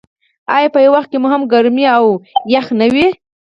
آیا په یو وخت کې هم ګرمي او هم یخني نه وي؟